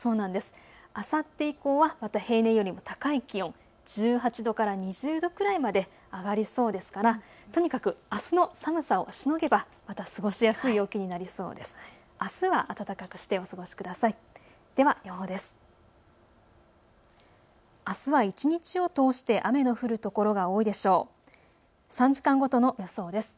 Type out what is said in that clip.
あさって以降はまた平年よりも高い気温、１８度から２０度くらいまで上がりそうですからとにかくあすの寒さをしのげばまた過ごしやすい陽気になりそうです。